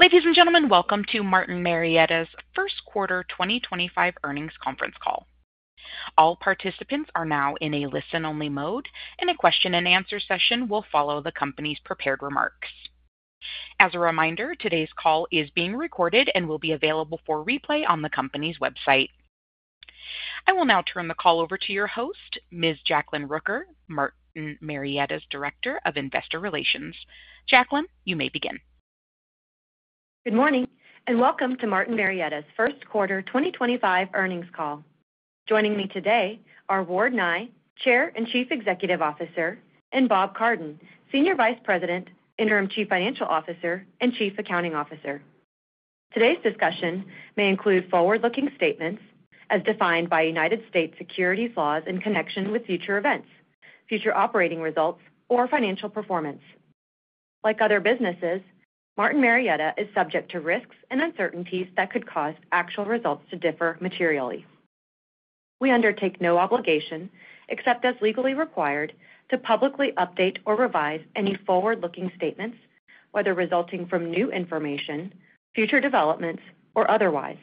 Ladies and gentlemen, welcome to Martin Marietta's first quarter 2025 earnings conference call. All participants are now in a listen-only mode, and a question-and-answer session will follow the company's prepared remarks. As a reminder, today's call is being recorded and will be available for replay on the company's website. I will now turn the call over to your host, Ms. Jacklyn Rooker, Martin Marietta's Director of Investor Relations. Jacklyn, you may begin. Good morning and welcome to Martin Marietta's first quarter 2025 earnings call. Joining me today are Ward Nye, Chair and Chief Executive Officer, and Bob Cardin, Senior Vice President, Interim Chief Financial Officer, and Chief Accounting Officer. Today's discussion may include forward-looking statements as defined by United States securities laws in connection with future events, future operating results, or financial performance. Like other businesses, Martin Marietta is subject to risks and uncertainties that could cause actual results to differ materially. We undertake no obligation, except as legally required, to publicly update or revise any forward-looking statements, whether resulting from new information, future developments, or otherwise.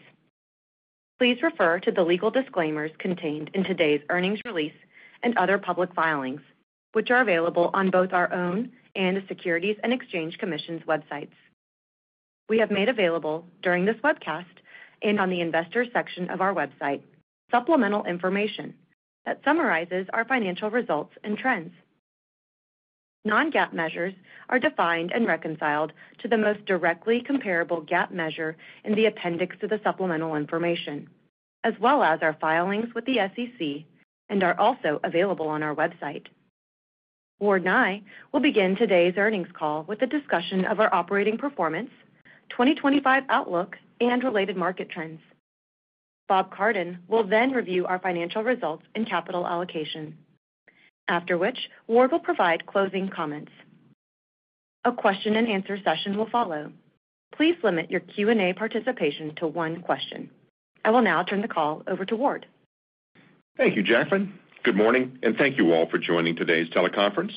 Please refer to the legal disclaimers contained in today's earnings release and other public filings, which are available on both our own and the Securities and Exchange Commission's websites. We have made available, during this webcast and on the investor section of our website, supplemental information that summarizes our financial results and trends. Non-GAAP measures are defined and reconciled to the most directly comparable GAAP measure in the appendix to the supplemental information, as well as our filings with the SEC, and are also available on our website. Ward Nye will begin today's earnings call with a discussion of our operating performance, 2025 outlook, and related market trends. Bob Cardin will then review our financial results and capital allocation, after which Ward will provide closing comments. A question-and-answer session will follow. Please limit your Q&A participation to one question. I will now turn the call over to Ward. Thank you, Jacklyn. Good morning, and thank you all for joining today's teleconference.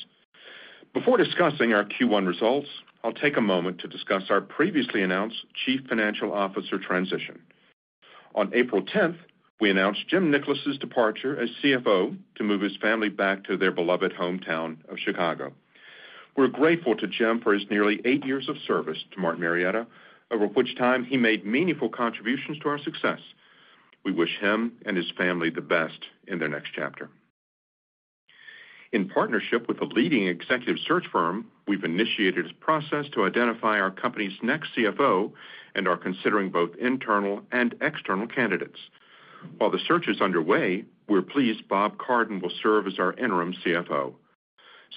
Before discussing our Q1 results, I'll take a moment to discuss our previously announced Chief Financial Officer transition. On April 10, we announced Jim Nickolas's departure as CFO to move his family back to their beloved hometown of Chicago. We're grateful to Jim for his nearly eight years of service to Martin Marietta, over which time he made meaningful contributions to our success. We wish him and his family the best in their next chapter. In partnership with a leading executive search firm, we've initiated a process to identify our company's next CFO and are considering both internal and external candidates. While the search is underway, we're pleased Bob Cardin will serve as our interim CFO.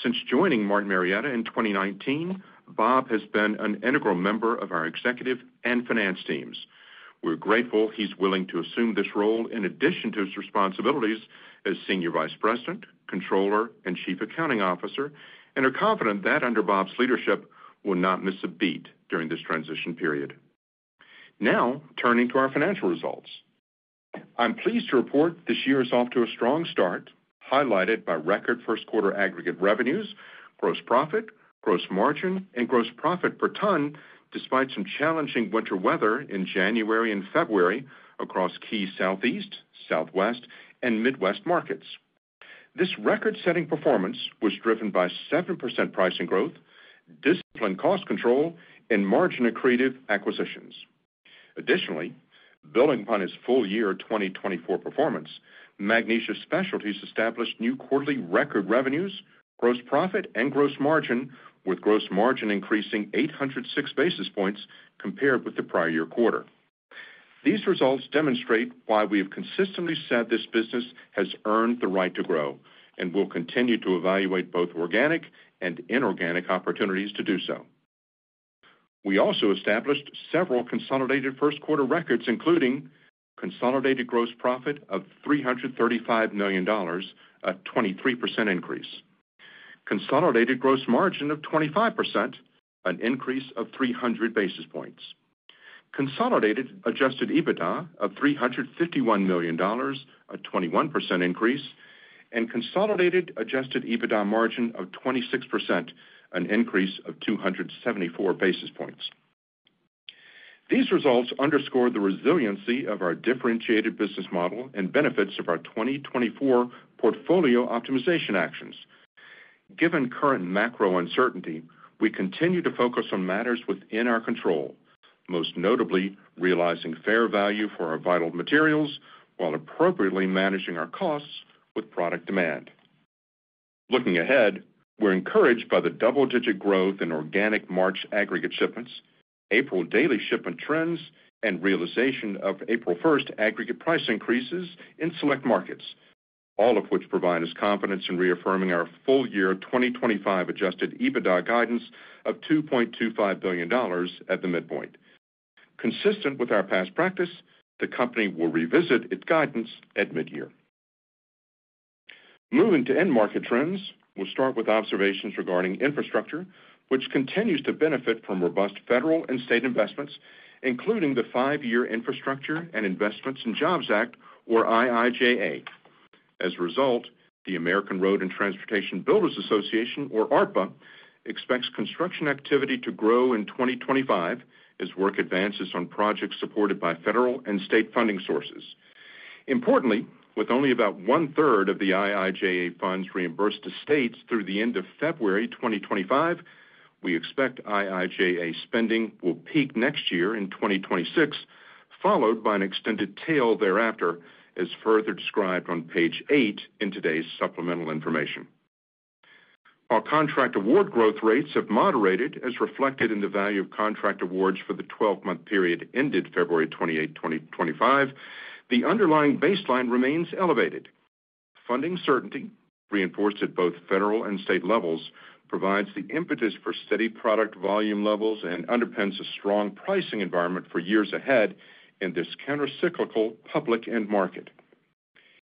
Since joining Martin Marietta in 2019, Bob has been an integral member of our executive and finance teams. We're grateful he's willing to assume this role in addition to his responsibilities as Senior Vice President, Controller, and Chief Accounting Officer, and are confident that under Bob's leadership, we'll not miss a beat during this transition period. Now, turning to our financial results, I'm pleased to report this year is off to a strong start, highlighted by record first quarter aggregate revenues, gross profit, gross margin, and gross profit per ton, despite some challenging winter weather in January and February across key Southeast, Southwest, and Midwest markets. This record-setting performance was driven by 7% pricing growth, disciplined cost control, and margin accretive acquisitions. Additionally, building upon his full year 2024 performance, Magnesia Specialties established new quarterly record revenues, gross profit, and gross margin, with gross margin increasing 806 basis points compared with the prior year quarter. These results demonstrate why we have consistently said this business has earned the right to grow and will continue to evaluate both organic and inorganic opportunities to do so. We also established several consolidated first quarter records, including consolidated gross profit of $335 million, a 23% increase, consolidated gross margin of 25%, an increase of 300 basis points, consolidated adjusted EBITDA of $351 million, a 21% increase, and consolidated adjusted EBITDA margin of 26%, an increase of 274 basis points. These results underscored the resiliency of our differentiated business model and benefits of our 2024 portfolio optimization actions. Given current macro uncertainty, we continue to focus on matters within our control, most notably realizing fair value for our vital materials while appropriately managing our costs with product demand. Looking ahead, we're encouraged by the double-digit growth in organic March aggregate shipments, April daily shipment trends, and realization of April 1st aggregate price increases in select markets, all of which provide us confidence in reaffirming our full year 2025 adjusted EBITDA guidance of $2.25 billion at the midpoint. Consistent with our past practice, the company will revisit its guidance at midyear. Moving to end market trends, we'll start with observations regarding infrastructure, which continues to benefit from robust federal and state investments, including the Five-Year Infrastructure and Investments in Jobs Act, or IIJA. As a result, the American Road and Transportation Builders Association, or ARTBA, expects construction activity to grow in 2025 as work advances on projects supported by federal and state funding sources. Importantly, with only about 1/3 of the IIJA funds reimbursed to states through the end of February 2025, we expect IIJA spending will peak next year in 2026, followed by an extended tail thereafter, as further described on page eight in today's supplemental information. While contract award growth rates have moderated, as reflected in the value of contract awards for the 12-month period ended February 28, 2025, the underlying baseline remains elevated. Funding certainty, reinforced at both federal and state levels, provides the impetus for steady product volume levels and underpins a strong pricing environment for years ahead in this countercyclical public end market.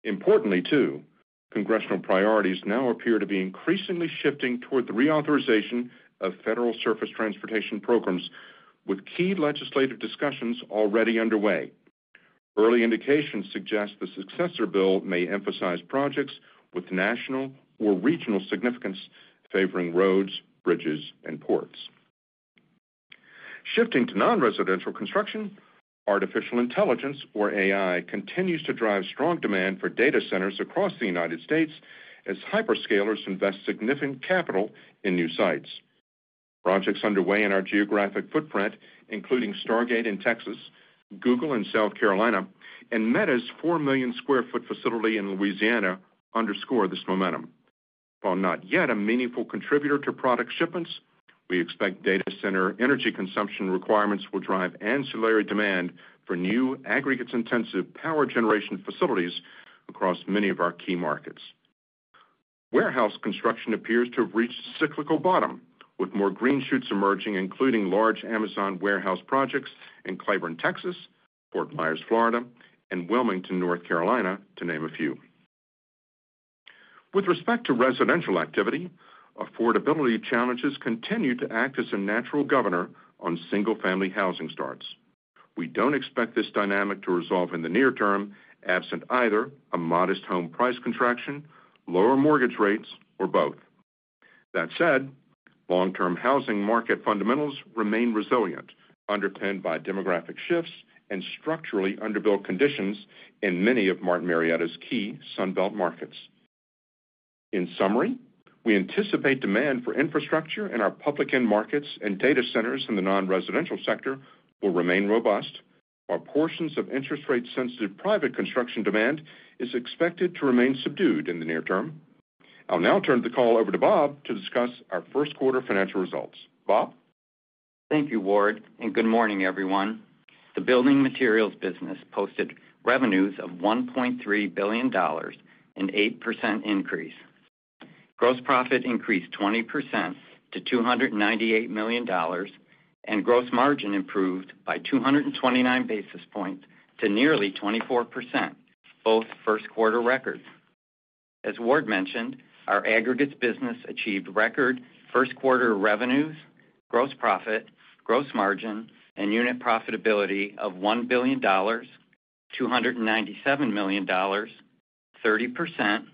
Importantly, too, congressional priorities now appear to be increasingly shifting toward the reauthorization of federal surface transportation programs, with key legislative discussions already underway. Early indications suggest the successor bill may emphasize projects with national or regional significance, favoring roads, bridges, and ports. Shifting to non-residential construction, artificial intelligence, or AI, continues to drive strong demand for data centers across the United States as hyperscalers invest significant capital in new sites. Projects underway in our geographic footprint, including Stargate in Texas, Google in South Carolina, and Meta's 4 million sq ft facility in Louisiana, underscore this momentum. While not yet a meaningful contributor to product shipments, we expect data center energy consumption requirements will drive ancillary demand for new aggregate-intensive power generation facilities across many of our key markets. Warehouse construction appears to have reached cyclical bottom, with more green shoots emerging, including large Amazon warehouse projects in Cleburne, Texas, Fort Myers, Florida, and Wilmington, North Carolina, to name a few. With respect to residential activity, affordability challenges continue to act as a natural governor on single-family housing starts. We don't expect this dynamic to resolve in the near term, absent either a modest home price contraction, lower mortgage rates, or both. That said, long-term housing market fundamentals remain resilient, underpinned by demographic shifts and structurally underbuilt conditions in many of Martin Marietta's key Sunbelt markets. In summary, we anticipate demand for infrastructure in our public end markets and data centers in the non-residential sector will remain robust, while portions of interest-rate-sensitive private construction demand is expected to remain subdued in the near term. I'll now turn the call over to Bob to discuss our first quarter financial results. Bob? Thank you, Ward, and good morning, everyone. The building materials business posted revenues of $1.3 billion and an 8% increase. Gross profit increased 20% to $298 million, and gross margin improved by 229 basis points to nearly 24%, both first quarter records. As Ward mentioned, our aggregate business achieved record first quarter revenues, gross profit, gross margin, and unit profitability of $1 billion, $297 million, 30%,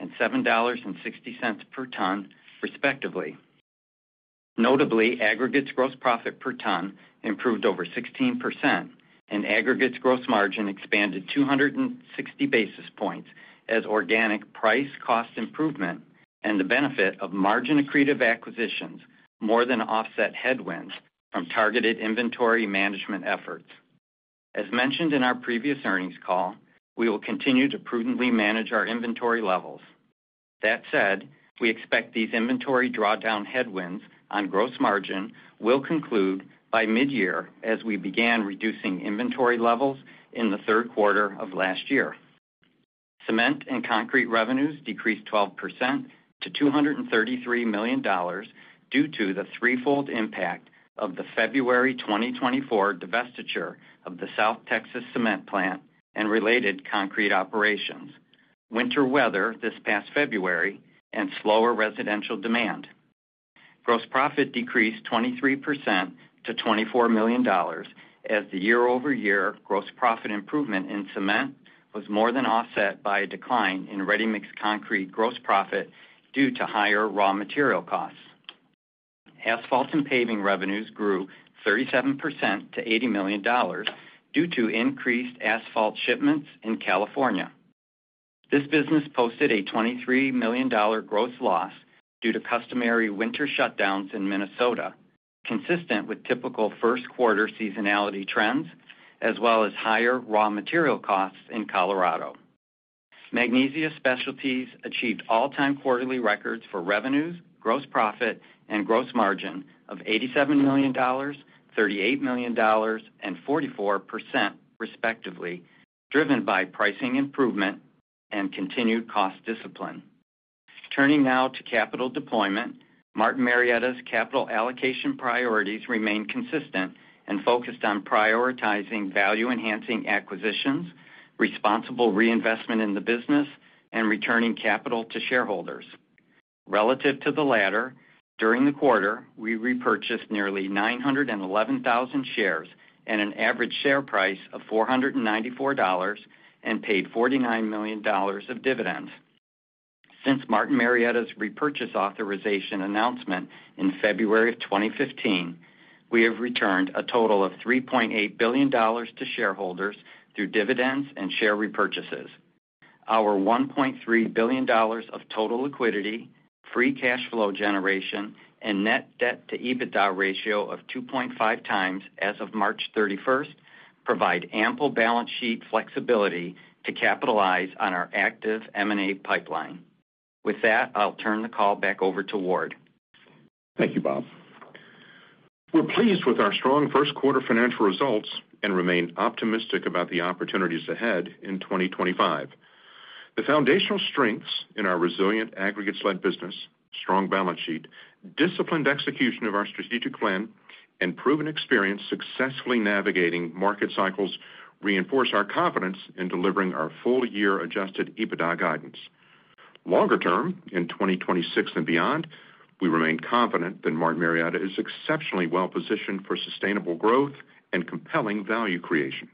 and $7.60 per ton, respectively. Notably, aggregate gross profit per ton improved over 16%, and aggregate gross margin expanded 260 basis points as organic price-cost improvement and the benefit of margin accretive acquisitions more than offset headwinds from targeted inventory management efforts. As mentioned in our previous earnings call, we will continue to prudently manage our inventory levels. That said, we expect these inventory drawdown headwinds on gross margin will conclude by midyear as we began reducing inventory levels in the third quarter of last year. Cement and concrete revenues decreased 12% to $233 million due to the threefold impact of the February 2024 divestiture of the South Texas Cement Plant and related concrete operations, winter weather this past February, and slower residential demand. Gross profit decreased 23% to $24 million as the year-over-year gross profit improvement in cement was more than offset by a decline in ready-mix concrete gross profit due to higher raw material costs. Asphalt and paving revenues grew 37% to $80 million due to increased asphalt shipments in California. This business posted a $23 million gross loss due to customary winter shutdowns in Minnesota, consistent with typical first quarter seasonality trends, as well as higher raw material costs in Colorado. Magnesia Specialties achieved all-time quarterly records for revenues, gross profit, and gross margin of $87 million, $38 million, and 44%, respectively, driven by pricing improvement and continued cost discipline. Turning now to capital deployment, Martin Marietta's capital allocation priorities remain consistent and focused on prioritizing value-enhancing acquisitions, responsible reinvestment in the business, and returning capital to shareholders. Relative to the latter, during the quarter, we repurchased nearly 911,000 shares at an average share price of $494 and paid $49 million of dividends. Since Martin Marietta's repurchase authorization announcement in February of 2015, we have returned a total of $3.8 billion to shareholders through dividends and share repurchases. Our $1.3 billion of total liquidity, free cash flow generation, and net debt-to-EBITDA ratio of 2.5x as of March 31 provide ample balance sheet flexibility to capitalize on our active M&A pipeline. With that, I'll turn the call back over to Ward. Thank you, Bob. We're pleased with our strong first quarter financial results and remain optimistic about the opportunities ahead in 2025. The foundational strengths in our resilient aggregate-led business, strong balance sheet, disciplined execution of our strategic plan, and proven experience successfully navigating market cycles reinforce our confidence in delivering our full year adjusted EBITDA guidance. Longer term, in 2026 and beyond, we remain confident that Martin Marietta is exceptionally well-positioned for sustainable growth and compelling value creation.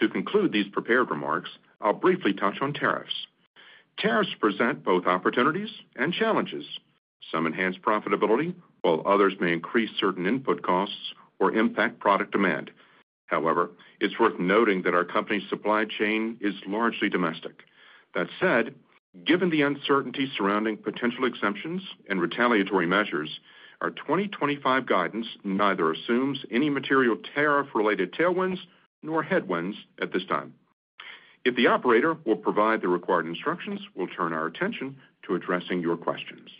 To conclude these prepared remarks, I'll briefly touch on tariffs. Tariffs present both opportunities and challenges. Some enhance profitability, while others may increase certain input costs or impact product demand. However, it's worth noting that our company's supply chain is largely domestic. That said, given the uncertainty surrounding potential exemptions and retaliatory measures, our 2025 guidance neither assumes any material tariff-related tailwinds nor headwinds at this time. If the operator will provide the required instructions, we'll turn our attention to addressing your questions.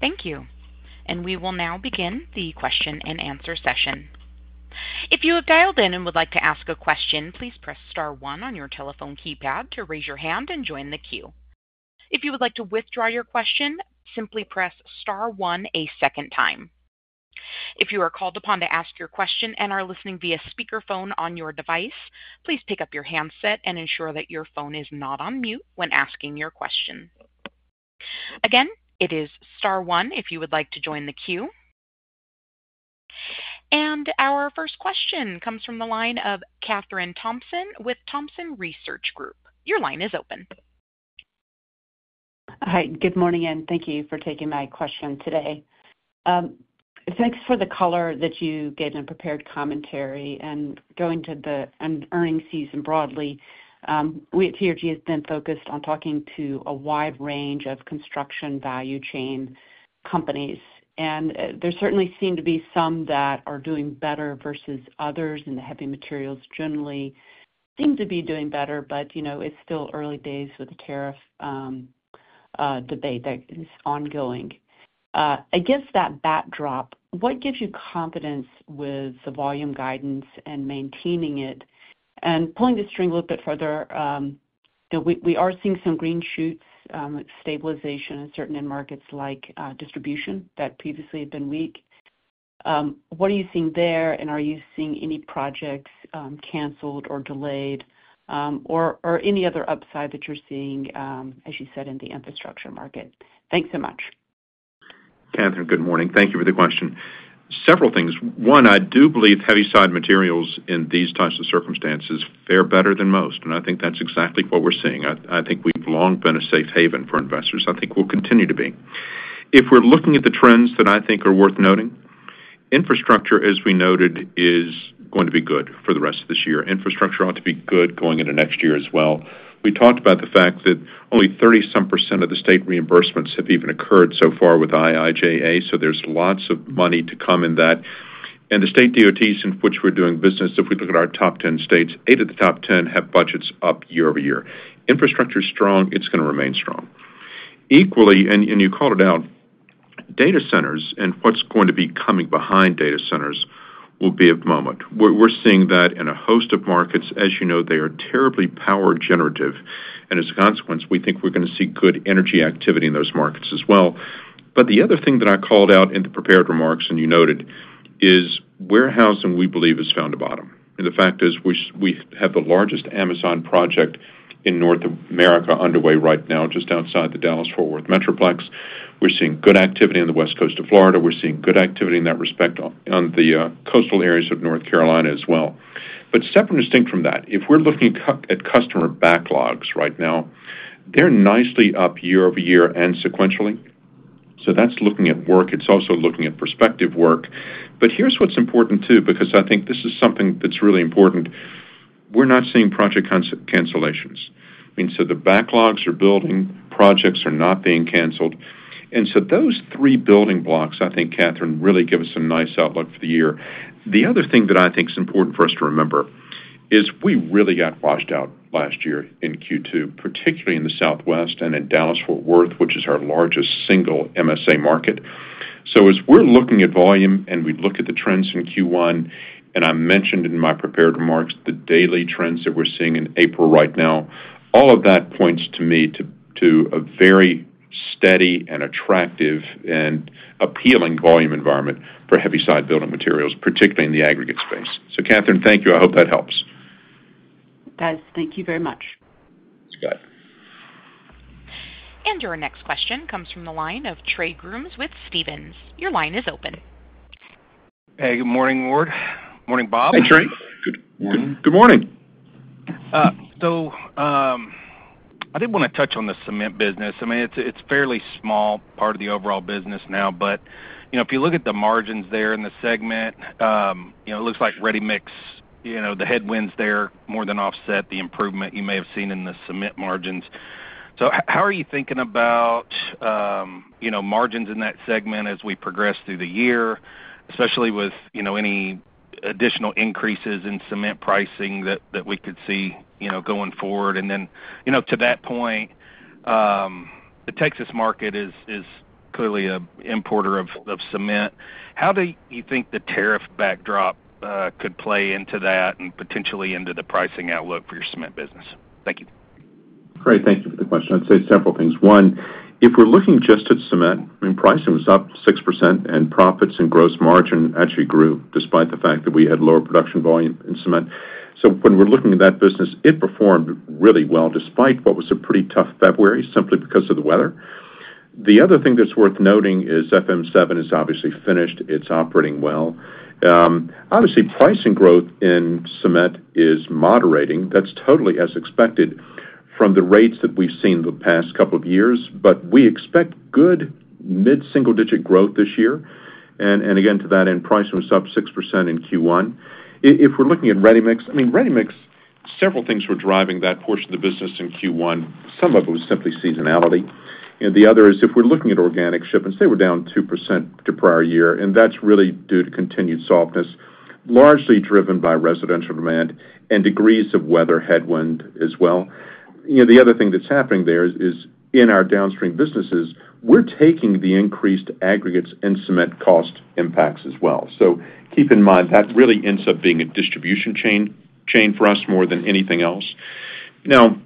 Thank you. We will now begin the question-and-answer session. If you have dialed in and would like to ask a question, please press star one on your telephone keypad to raise your hand and join the queue. If you would like to withdraw your question, simply press star one a second time. If you are called upon to ask your question and are listening via speakerphone on your device, please pick up your handset and ensure that your phone is not on mute when asking your question. Again, it is star one if you would like to join the queue. Our first question comes from the line of Kathryn Thompson with Thompson Research Group. Your line is open. Hi. Good morning, and thank you for taking my question today. Thanks for the color that you gave in prepared commentary. Going to the earnings season broadly, we at TRG have been focused on talking to a wide range of construction value chain companies. There certainly seem to be some that are doing better versus others, and the heavy materials generally seem to be doing better, but it's still early days with the tariff debate that is ongoing. Against that backdrop, what gives you confidence with the volume guidance and maintaining it? Pulling the string a little bit further, we are seeing some green shoots, stabilization in certain end markets like distribution that previously had been weak. What are you seeing there, and are you seeing any projects canceled or delayed, or any other upside that you're seeing, as you said, in the infrastructure market? Thanks so much. Kathryn, good morning. Thank you for the question. Several things. One, I do believe heavy-side materials in these types of circumstances fare better than most, and I think that's exactly what we're seeing. I think we've long been a safe haven for investors. I think we'll continue to be. If we're looking at the trends that I think are worth noting, infrastructure, as we noted, is going to be good for the rest of this year. Infrastructure ought to be good going into next year as well. We talked about the fact that only 30-some % of the state reimbursements have even occurred so far with IIJA, so there's lots of money to come in that. The state DOTs in which we're doing business, if we look at our top 10 states, eight of the top 10 have budgets up year-over-year. Infrastructure is strong. It's going to remain strong. Equally, and you called it out, data centers and what's going to be coming behind data centers will be of moment. We're seeing that in a host of markets. As you know, they are terribly power generative, and as a consequence, we think we're going to see good energy activity in those markets as well. The other thing that I called out in the prepared remarks, and you noted, is warehousing, we believe, has found a bottom. The fact is we have the largest Amazon project in North America underway right now, just outside the Dallas-Fort Worth Metroplex. We're seeing good activity on the West Coast of Florida. We're seeing good activity in that respect on the coastal areas of North Carolina as well. Separate and distinct from that, if we're looking at customer backlogs right now, they're nicely up year-over-year and sequentially. That's looking at work. It's also looking at prospective work. Here's what's important, too, because I think this is something that's really important. We're not seeing project cancellations. I mean, the backlogs are building. Projects are not being canceled. Those three building blocks, I think, Kathryn, really give us a nice outlook for the year. The other thing that I think is important for us to remember is we really got washed out last year in Q2, particularly in the Southwest and in Dallas-Fort Worth, which is our largest single MSA market. As we're looking at volume and we look at the trends in Q1, and I mentioned in my prepared remarks the daily trends that we're seeing in April right now, all of that points to me to a very steady and attractive and appealing volume environment for heavy-side building materials, particularly in the aggregate space. So, Kathryn, thank you. I hope that helps. It does. Thank you very much. It's good. Your next question comes from the line of Trey Grooms with Stephens. Your line is open. Hey, good morning, Ward. Morning, Bob. Hey, Trey. Good morning. Good morning. I did want to touch on the cement business. I mean, it's a fairly small part of the overall business now, but if you look at the margins there in the segment, it looks like ready-mix, the headwinds there more than offset the improvement you may have seen in the cement margins. How are you thinking about margins in that segment as we progress through the year, especially with any additional increases in cement pricing that we could see going forward? To that point, the Texas market is clearly an importer of cement. How do you think the tariff backdrop could play into that and potentially into the pricing outlook for your cement business? Thank you. Craig, thank you for the question. I'd say several things. One, if we're looking just at cement, I mean, pricing was up 6%, and profits and gross margin actually grew despite the fact that we had lower production volume in cement. When we're looking at that business, it performed really well despite what was a pretty tough February simply because of the weather. The other thing that's worth noting is FM7 is obviously finished. It's operating well. Obviously, pricing growth in cement is moderating. That's totally as expected from the rates that we've seen the past couple of years, but we expect good mid-single-digit growth this year. Again, to that end, pricing was up 6% in Q1. If we're looking at ready-mix, I mean, ready-mix, several things were driving that portion of the business in Q1. Some of it was simply seasonality. The other is if we're looking at organic shipments, they were down 2% to prior year, and that's really due to continued softness, largely driven by residential demand and degrees of weather headwind as well. The other thing that's happening there is in our downstream businesses, we're taking the increased aggregates and cement cost impacts as well. Keep in mind that really ends up being a distribution chain for us more than anything else. Now,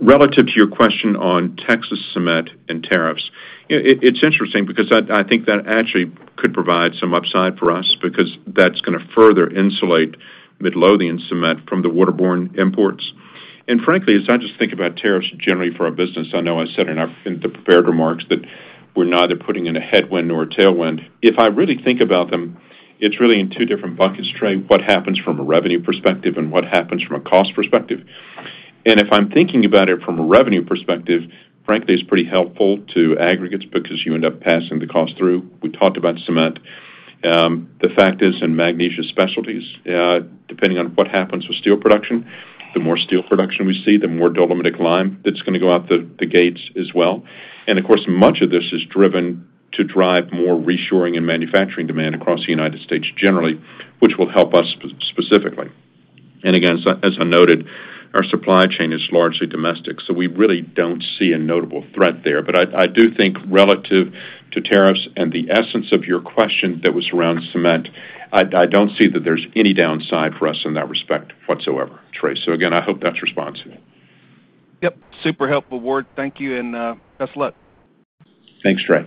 relative to your question on Texas cement and tariffs, it's interesting because I think that actually could provide some upside for us because that's going to further insulate Midlothian cement from the waterborne imports. Frankly, as I just think about tariffs generally for our business, I know I said in the prepared remarks that we're neither putting in a headwind nor a tailwind. If I really think about them, it's really in two different buckets, Trey, what happens from a revenue perspective and what happens from a cost perspective. If I'm thinking about it from a revenue perspective, frankly, it's pretty helpful to aggregates because you end up passing the cost through. We talked about cement. The fact is, in Magnesia Specialties, depending on what happens with steel production, the more steel production we see, the more dolomitic lime that's going to go out the gates as well. Of course, much of this is driven to drive more reshoring and manufacturing demand across the United States generally, which will help us specifically. Again, as I noted, our supply chain is largely domestic, so we really don't see a notable threat there. I do think relative to tariffs and the essence of your question that was around cement, I don't see that there's any downside for us in that respect whatsoever, Trey. Again, I hope that's responsible. Yep. Super helpful, Ward. Thank you, and best of luck. Thanks, Trey.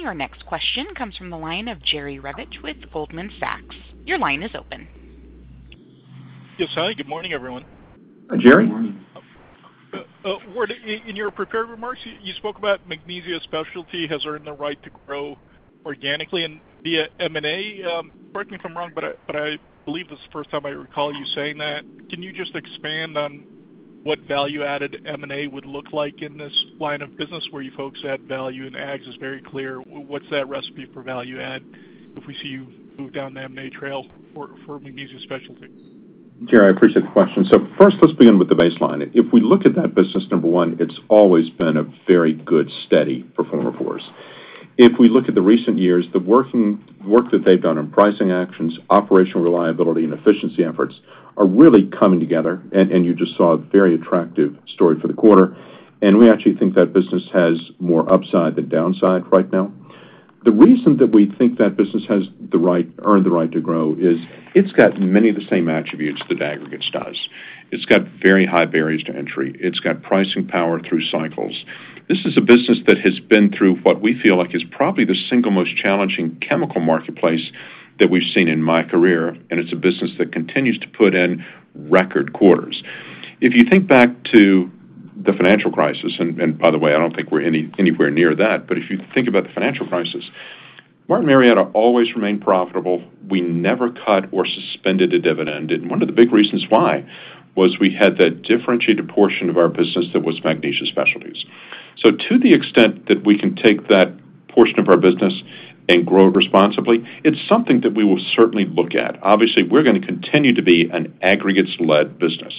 Your next question comes from the line of Jerry Revich with Goldman Sachs. Your line is open. Yes, hi. Good morning, everyone. Hi, Jerry. Good morning. Ward, in your prepared remarks, you spoke about Magnesia Specialties has earned the right to grow organically and via M&A. Correct me if I'm wrong, but I believe this is the first time I recall you saying that. Can you just expand on what value-added M&A would look like in this line of business where you focus that value in ags is very clear? What's that recipe for value-add if we see you move down the M&A trail for Magnesia Specialties? Jerry, I appreciate the question. First, let's begin with the baseline. If we look at that business, number one, it's always been a very good, steady performer for us. If we look at the recent years, the work that they've done in pricing actions, operational reliability, and efficiency efforts are really coming together, and you just saw a very attractive story for the quarter. We actually think that business has more upside than downside right now. The reason that we think that business has earned the right to grow is it's got many of the same attributes that aggregates does. It's got very high barriers to entry. It's got pricing power through cycles. This is a business that has been through what we feel like is probably the single most challenging chemical marketplace that we've seen in my career, and it's a business that continues to put in record quarters. If you think back to the financial crisis, and by the way, I don't think we're anywhere near that, but if you think about the financial crisis, Martin Marietta always remained profitable. We never cut or suspended a dividend. One of the big reasons why was we had that differentiated portion of our business that was Magnesia Specialties. To the extent that we can take that portion of our business and grow it responsibly, it's something that we will certainly look at. Obviously, we're going to continue to be an aggregates-led business.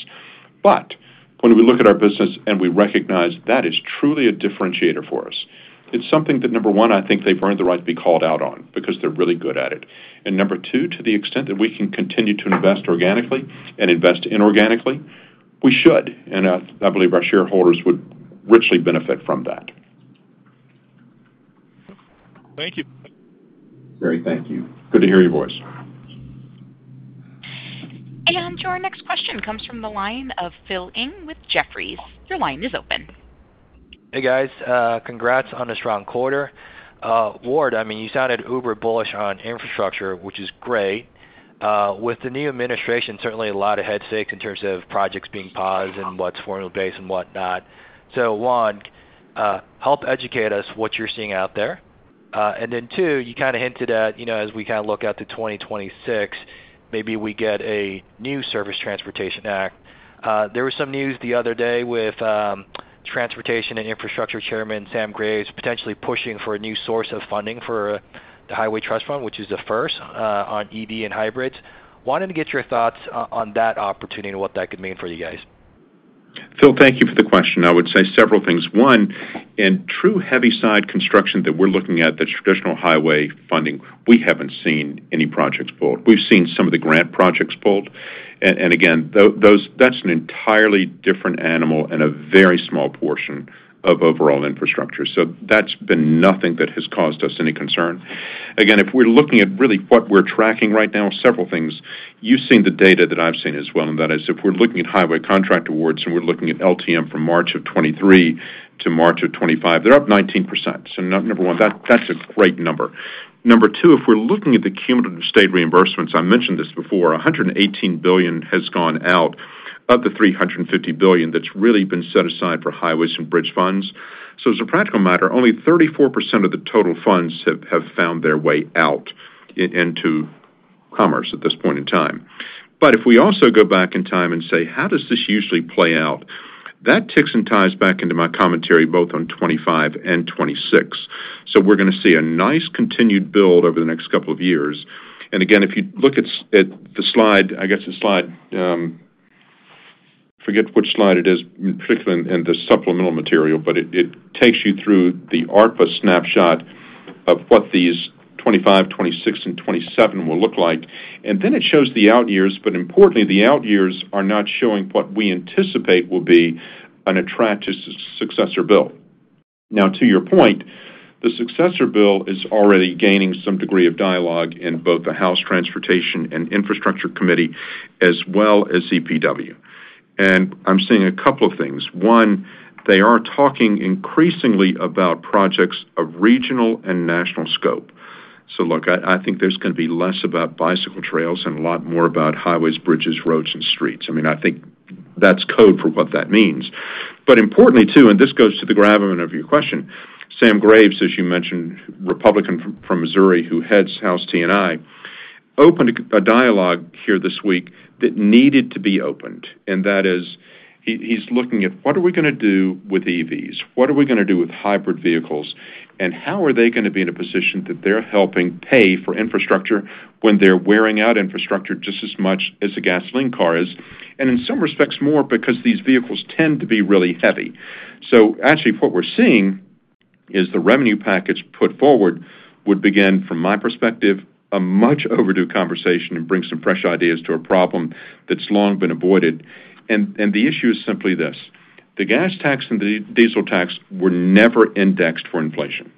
When we look at our business and we recognize that is truly a differentiator for us, it's something that, number one, I think they've earned the right to be called out on because they're really good at it. Number two, to the extent that we can continue to invest organically and invest inorganically, we should, and I believe our shareholders would richly benefit from that. Thank you. Jerry, thank you. Good to hear your voice. Your next question comes from the line of Phil Ng with Jefferies. Your line is open. Hey, guys. Congrats on a strong quarter. Ward, I mean, you sounded uber bullish on infrastructure, which is great. With the new administration, certainly a lot of head fakes in terms of projects being paused and what's formula-based and whatnot. One, help educate us what you're seeing out there. Two, you kind of hinted at, as we kind of look at the 2026, maybe we get a new Service Transportation Act. There was some news the other day with Transportation and Infrastructure Chairman Sam Graves potentially pushing for a new source of funding for the Highway Trust Fund, which is the first on EV and hybrids. Wanted to get your thoughts on that opportunity and what that could mean for you guys. Phil, thank you for the question. I would say several things. One, in true heavy-side construction that we're looking at, that's traditional Highway Funding, we haven't seen any projects pulled. We've seen some of the grant projects pulled. Again, that's an entirely different animal and a very small portion of overall infrastructure. That has been nothing that has caused us any concern. Again, if we're looking at really what we're tracking right now, several things. You've seen the data that I've seen as well, and that is if we're looking at highway contract awards and we're looking at LTM from March of 2023 to March of 2025, they're up 19%. Number one, that's a great number. Number two, if we're looking at the cumulative state reimbursements, I mentioned this before, $118 billion has gone out of the $350 billion that's really been set aside for highways and bridge funds. As a practical matter, only 34% of the total funds have found their way out into commerce at this point in time. If we also go back in time and say, how does this usually play out, that ticks and ties back into my commentary both on 2025 and 2026. We're going to see a nice continued build over the next couple of years. Again, if you look at the slide, I guess the slide, forget which slide it is, particularly in the supplemental material, but it takes you through the ARTBA snapshot of what these 2025, 2026, and 2027 will look like. It shows the out years, but importantly, the out years are not showing what we anticipate will be an attractive successor bill. To your point, the successor bill is already gaining some degree of dialogue in both the House Transportation and Infrastructure Committee as well as EPW. I'm seeing a couple of things. One, they are talking increasingly about projects of regional and national scope. I think there's going to be less about bicycle trails and a lot more about highways, bridges, roads, and streets. I think that's code for what that means. Importantly, too, and this goes to the gravity of your question, Sam Graves, as you mentioned, Republican from Missouri who heads House T&I, opened a dialogue here this week that needed to be opened. That is, he's looking at what are we going to do with EVs? What are we going to do with hybrid vehicles? And how are they going to be in a position that they're helping pay for infrastructure when they're wearing out infrastructure just as much as a gasoline car is? In some respects, more because these vehicles tend to be really heavy. Actually, what we're seeing is the revenue package put forward would begin, from my perspective, a much overdue conversation and bring some fresh ideas to a problem that's long been avoided. The issue is simply this: the gas tax and the diesel tax were never indexed for inflation.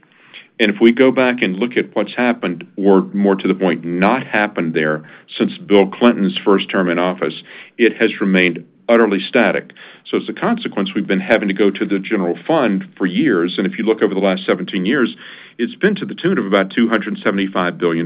If we go back and look at what's happened, or more to the point, not happened there since Bill Clinton's first term in office, it has remained utterly static. As a consequence, we've been having to go to the general fund for years. If you look over the last 17 years, it's been to the tune of about $275 billion.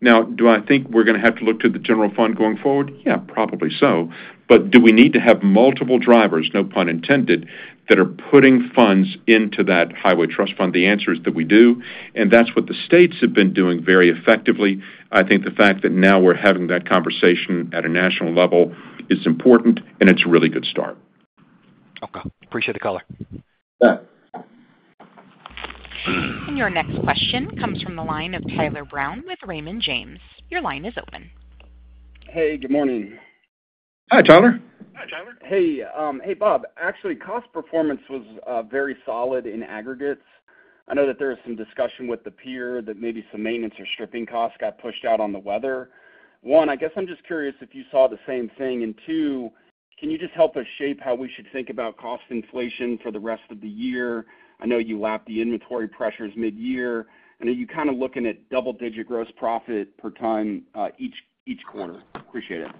Now, do I think we're going to have to look to the general fund going forward? Yeah, probably so. Do we need to have multiple drivers, no pun intended, that are putting funds into that Highway Trust Fund? The answer is that we do. That's what the states have been doing very effectively. I think the fact that now we're having that conversation at a national level is important, and it's a really good start. Okay. Appreciate the caller. Your next question comes from the line of Tyler Brown with Raymond James. Your line is open. Hey, good morning. Hi, Tyler. Hey. Hey, Bob. Actually, cost performance was very solid in aggregates. I know that there was some discussion with the peer that maybe some maintenance or stripping costs got pushed out on the weather. One, I guess I'm just curious if you saw the same thing. Two, can you just help us shape how we should think about cost inflation for the rest of the year? I know you lapped the inventory pressures mid-year. Are you kind of looking at double-digit gross profit per ton each quarter? Appreciate it.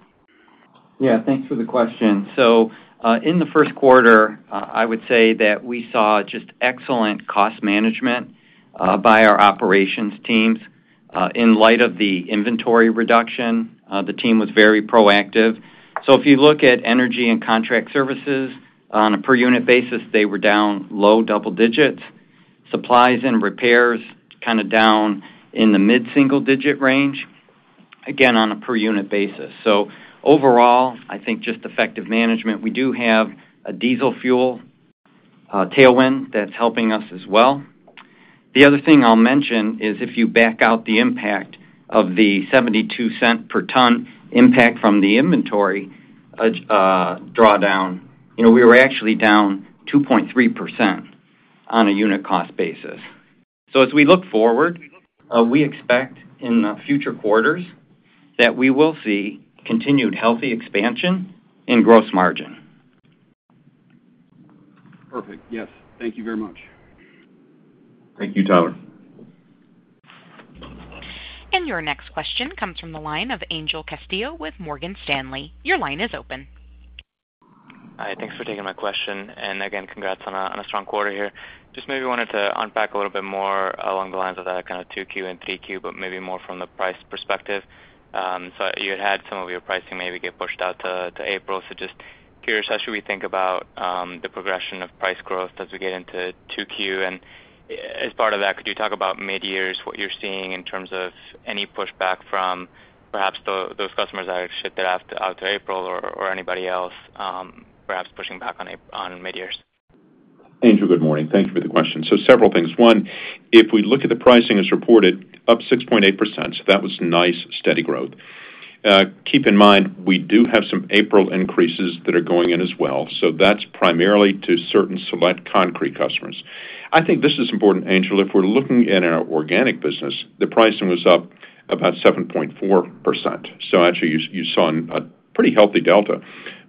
Yeah. Thanks for the question. In the first quarter, I would say that we saw just excellent cost management by our operations teams in light of the inventory reduction. The team was very proactive. If you look at energy and contract services on a per-unit basis, they were down low double digits. Supplies and repairs kind of down in the mid-single-digit range, again, on a per-unit basis. Overall, I think just effective management. We do have a diesel fuel tailwind that's helping us as well. The other thing I'll mention is if you back out the impact of the $0.72 per ton impact from the inventory drawdown, we were actually down 2.3% on a unit cost basis. As we look forward, we expect in future quarters that we will see continued healthy expansion in gross margin. Perfect. Yes. Thank you very much. Thank you, Tyler. Your next question comes from the line of Angel Castillo with Morgan Stanley. Your line is open. Hi. Thanks for taking my question. Again, congrats on a strong quarter here. Just maybe wanted to unpack a little bit more along the lines of that kind of 2Q and 3Q, but maybe more from the price perspective. You had had some of your pricing maybe get pushed out to April. Just curious, how should we think about the progression of price growth as we get into 2Q? As part of that, could you talk about mid-years, what you're seeing in terms of any pushback from perhaps those customers that shipped it out to April or anybody else perhaps pushing back on mid-years? Andrew, good morning. Thank you for the question. Several things. One, if we look at the pricing as reported, up 6.8%. That was nice, steady growth. Keep in mind, we do have some April increases that are going in as well. That is primarily to certain select concrete customers. I think this is important, Angel. If we are looking at our organic business, the pricing was up about 7.4%. Actually, you saw a pretty healthy delta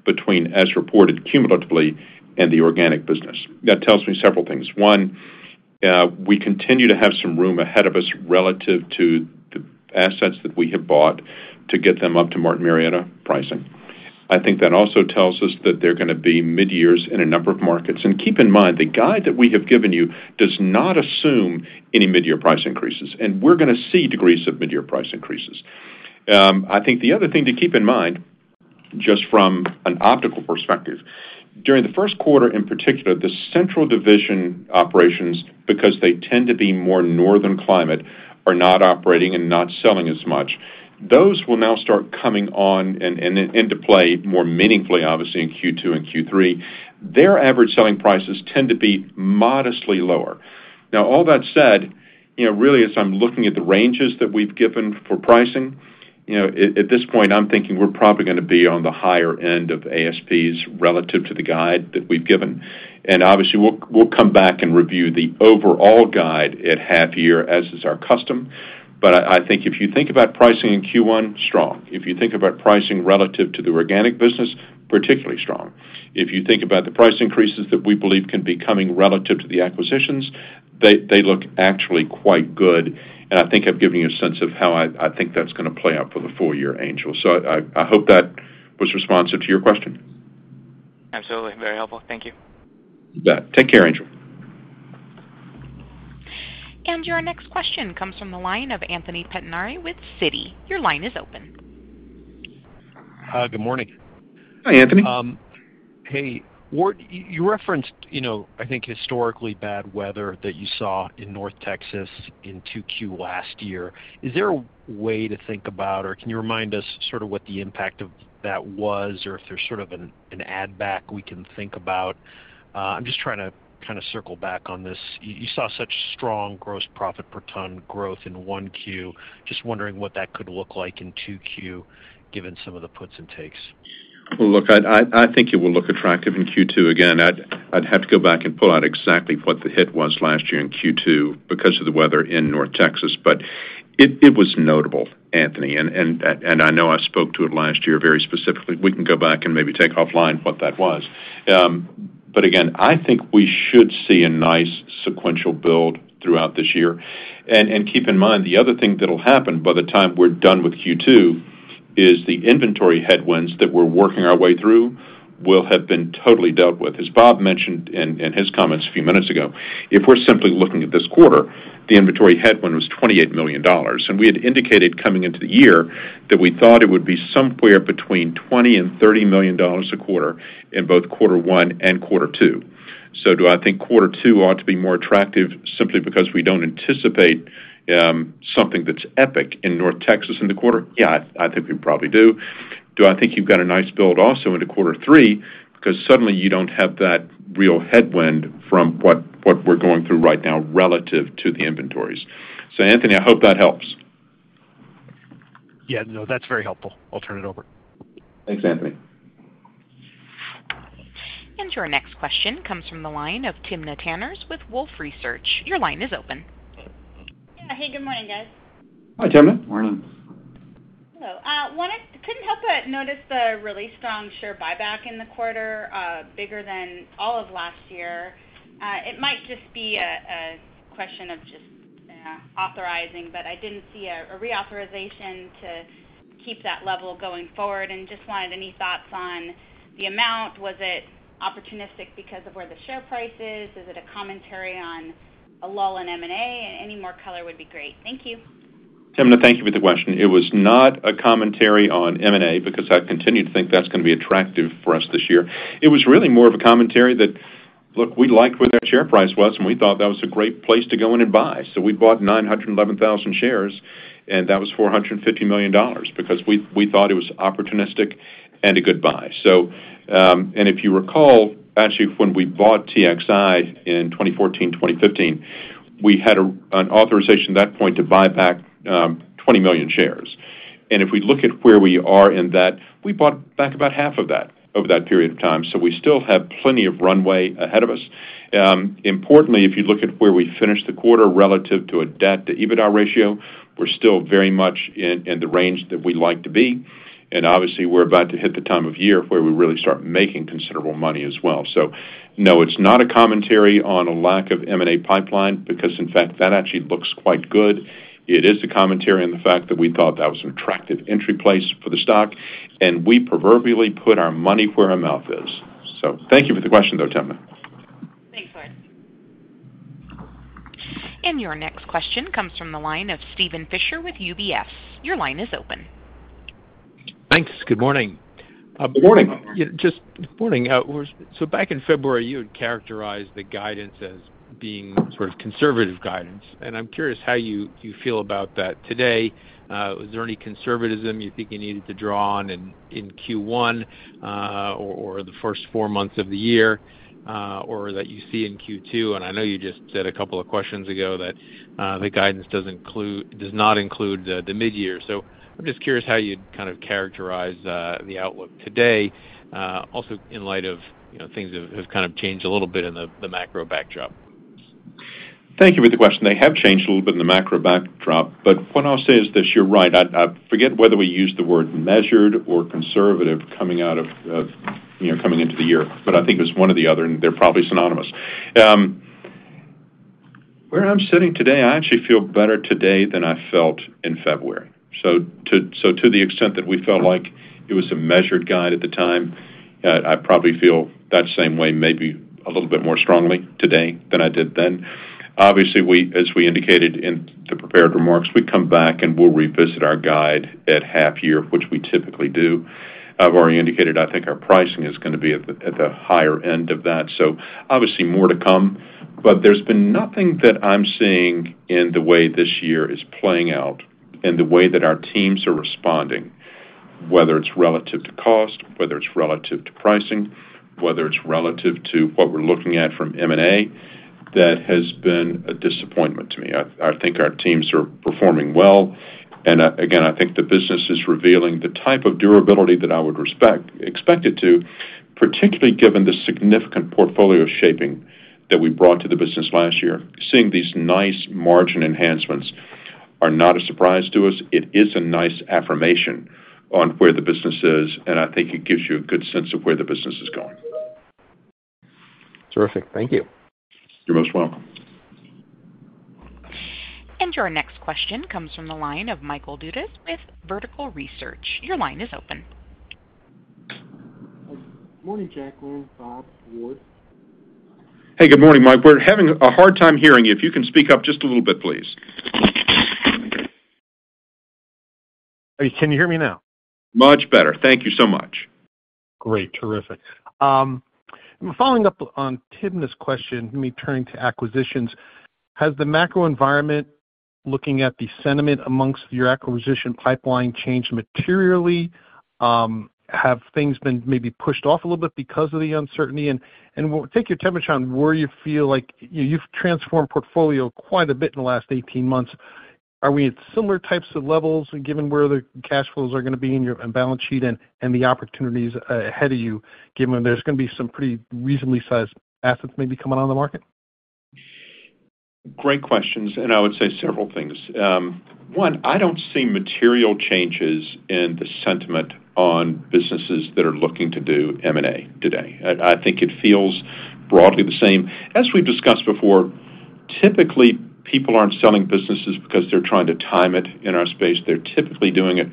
between, as reported, cumulatively and the organic business. That tells me several things. One, we continue to have some room ahead of us relative to the assets that we have bought to get them up to Martin Marietta pricing. I think that also tells us that there are going to be mid-years in a number of markets. Keep in mind, the guide that we have given you does not assume any mid-year price increases. We are going to see degrees of mid-year price increases. I think the other thing to keep in mind, just from an optical perspective, during the first quarter in particular, the central division operations, because they tend to be more northern climate, are not operating and not selling as much. Those will now start coming on and into play more meaningfully, obviously, in Q2 and Q3. Their average selling prices tend to be modestly lower. Now, all that said, really, as I am looking at the ranges that we have given for pricing, at this point, I am thinking we are probably going to be on the higher end of ASPs relative to the guide that we have given. Obviously, we will come back and review the overall guide at half-year, as is our custom. I think if you think about pricing in Q1, strong. If you think about pricing relative to the organic business, particularly strong. If you think about the price increases that we believe can be coming relative to the acquisitions, they look actually quite good. I think I have given you a sense of how I think that is going to play out for the four-year, Angel. I hope that was responsive to your question. Absolutely. Very helpful. Thank you. You bet. Take care, Angel. Your next question comes from the line of Anthony Pettinari with Citi. Your line is open. Hi, good morning. Hi, Anthony. Hey, Ward, you referenced, I think, historically bad weather that you saw in North Texas in 2Q last year. Is there a way to think about, or can you remind us sort of what the impact of that was, or if there's sort of an add-back we can think about? I'm just trying to kind of circle back on this. You saw such strong gross profit per ton growth in 1Q. Just wondering what that could look like in 2Q, given some of the puts and takes. I think it will look attractive in Q2. Again, I'd have to go back and pull out exactly what the hit was last year in Q2 because of the weather in North Texas. It was notable, Anthony. I know I spoke to it last year very specifically. We can go back and maybe take offline what that was. I think we should see a nice sequential build throughout this year. Keep in mind, the other thing that'll happen by the time we're done with Q2 is the inventory headwinds that we're working our way through will have been totally dealt with. As Bob mentioned in his comments a few minutes ago, if we're simply looking at this quarter, the inventory headwind was $28 million. We had indicated coming into the year that we thought it would be somewhere between $20 million and $30 million a quarter in both quarter one and quarter two. Do I think quarter two ought to be more attractive simply because we do not anticipate something that is epic in North Texas in the quarter? Yeah, I think we probably do. Do I think you have a nice build also into quarter three because suddenly you do not have that real headwind from what we are going through right now relative to the inventories? Anthony, I hope that helps. Yeah. No, that's very helpful. I'll turn it over. Thanks, Anthony. Your next question comes from the line of Timna Tanners with Wolfe Research. Your line is open. Yeah. Hey, good morning, guys. Hi, Timna. Morning. Hello. Could not help but notice the really strong share buyback in the quarter, bigger than all of last year. It might just be a question of just authorizing, but I did not see a reauthorization to keep that level going forward. I just wanted any thoughts on the amount. Was it opportunistic because of where the share price is? Is it a commentary on a lull in M&A? Any more color would be great. Thank you. Timna, thank you for the question. It was not a commentary on M&A because I continue to think that's going to be attractive for us this year. It was really more of a commentary that, look, we liked where that share price was, and we thought that was a great place to go in and buy. We bought 911,000 shares, and that was $450 million because we thought it was opportunistic and a good buy. If you recall, actually, when we bought TXI in 2014, 2015, we had an authorization at that point to buy back 20 million shares. If we look at where we are in that, we bought back about half of that over that period of time. We still have plenty of runway ahead of us. Importantly, if you look at where we finished the quarter relative to a debt-to-EBITDA ratio, we're still very much in the range that we like to be. Obviously, we're about to hit the time of year where we really start making considerable money as well. No, it's not a commentary on a lack of M&A pipeline because, in fact, that actually looks quite good. It is a commentary on the fact that we thought that was an attractive entry place for the stock. We proverbially put our money where our mouth is. Thank you for the question, though, Timna. Thanks, Ward. Your next question comes from the line of Stephen Fisher with UBS. Your line is open. Thanks. Good morning. Good morning. Good morning. Back in February, you had characterized the guidance as being sort of conservative guidance. I'm curious how you feel about that today. Was there any conservatism you think you needed to draw on in Q1 or the first four months of the year or that you see in Q2? I know you just said a couple of questions ago that the guidance does not include the mid-year. I'm just curious how you'd kind of characterize the outlook today, also in light of things that have kind of changed a little bit in the macro backdrop. Thank you for the question. They have changed a little bit in the macro backdrop. What I'll say is that you're right. I forget whether we use the word measured or conservative coming into the year. I think it's one or the other, and they're probably synonymous. Where I'm sitting today, I actually feel better today than I felt in February. To the extent that we felt like it was a measured guide at the time, I probably feel that same way, maybe a little bit more strongly today than I did then. Obviously, as we indicated in the prepared remarks, we come back and we'll revisit our guide at half-year, which we typically do. I've already indicated I think our pricing is going to be at the higher end of that. More to come. There has been nothing that I'm seeing in the way this year is playing out and the way that our teams are responding, whether it's relative to cost, whether it's relative to pricing, whether it's relative to what we're looking at from M&A, that has been a disappointment to me. I think our teams are performing well. I think the business is revealing the type of durability that I would expect it to, particularly given the significant portfolio shaping that we brought to the business last year. Seeing these nice margin enhancements are not a surprise to us. It is a nice affirmation on where the business is. I think it gives you a good sense of where the business is going. Terrific. Thank you. You're most welcome. Your next question comes from the line of Michael Dudas with Vertical Research. Your line is open. Morning, Jacklyn, Bob, Ward. Hey, good morning, Mike. We're having a hard time hearing you. If you can speak up just a little bit, please. Can you hear me now? Much better. Thank you so much. Great. Terrific. Following up on Timna's question, me turning to acquisitions, has the macro environment, looking at the sentiment amongst your acquisition pipeline, changed materially? Have things been maybe pushed off a little bit because of the uncertainty? We'll take your temperature on where you feel like you've transformed portfolio quite a bit in the last 18 months. Are we at similar types of levels given where the cash flows are going to be in your balance sheet and the opportunities ahead of you, given there's going to be some pretty reasonably sized assets maybe coming on the market? Great questions. I would say several things. One, I don't see material changes in the sentiment on businesses that are looking to do M&A today. I think it feels broadly the same. As we've discussed before, typically, people aren't selling businesses because they're trying to time it in our space. They're typically doing it